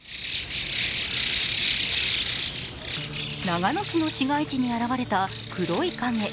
長野市の市街地に現れた黒い影。